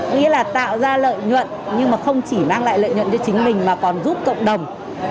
nghĩa là tạo ra lợi nhuận nhưng mà không chỉ mang lại lợi nhuận cho chính mình mà còn giúp cộng đồng